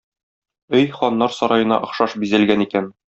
Өй ханнар сараена охшаш бизәлгән икән.